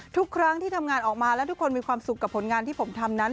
ทุกครั้งที่ทำงานออกมาแล้วทุกคนมีความสุขกับผลงานที่ผมทำนั้น